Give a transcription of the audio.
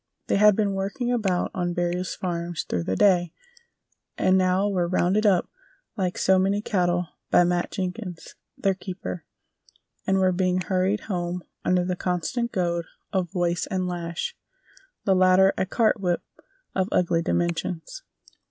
They had been working about on various farms through the day, and now were "rounded up" like so many cattle by Matt Jenkins, their keeper, and were being hurried home under the constant goad of voice and lash, the latter a cart whip of ugly dimensions.